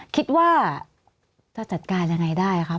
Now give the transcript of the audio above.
คิดว่าจะจัดการยังไงได้ครับ